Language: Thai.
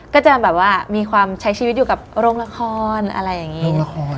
ก็จะแบบว่ามีความใช้ชีวิตอยู่กับโรงละครอะไรอย่างนี้